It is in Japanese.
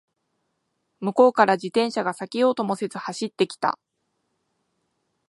向こうから自転車が避けようともせず走ってきた